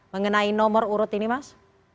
mengenai nomor urut ini mas